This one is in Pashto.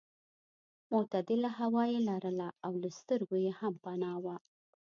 معتدله هوا یې لرله او له سترګو یې هم پناه وه.